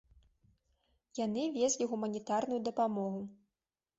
Яны везлі гуманітарную дапамогу.